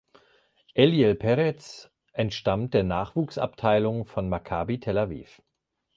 Eliel Peretz entstammt der Nachwuchsabteilung von Maccabi Tel Aviv.